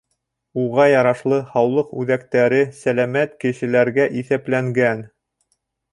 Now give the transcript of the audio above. Уға ярашлы, һаулыҡ үҙәктәре сәләмәт кешеләргә иҫәпләнгән.